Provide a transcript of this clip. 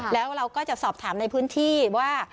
แล้วเราก็จะสอบถามในพื้นที่ว่า